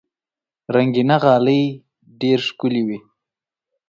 رنګینه غالۍ ډېر ښکلي وي.